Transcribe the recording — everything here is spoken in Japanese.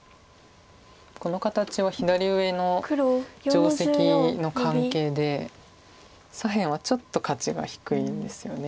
定石の関係で左辺はちょっと価値が低いんですよね。